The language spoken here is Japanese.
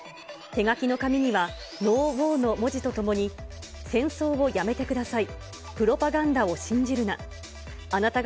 手書きの紙には、ＮＯＷＡＲの文字とともに、戦争をやめてください、プロパガンダを信じるな。